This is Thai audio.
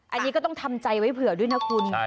อันนี้ก็ต้องทำใจไว้เผื่อด้วยนะคุณ